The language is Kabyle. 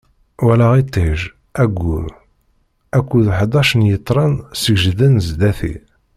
Walaɣ iṭij, aggur akked ḥdac n yetran seǧǧden zdat-i.